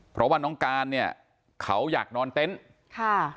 เพราะว่าน้องการเนี่ยเขาอยากนอนเต็นต์ค่ะ